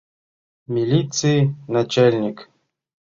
Милиций начальник.